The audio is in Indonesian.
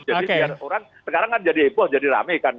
jadi biar orang sekarang kan jadi heboh jadi rame kan